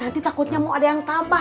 nanti takutnya mau ada yang tambah